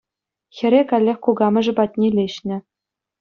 Хӗре каллех кукамӑшӗ патне леҫнӗ.